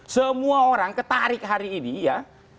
semua orang ketarik hari ini ya